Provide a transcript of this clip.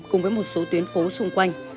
cùng với một số tuyến phố xung quanh